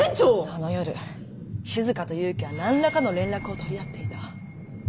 あの夜しずかと祐樹は何らかの連絡を取り合っていた。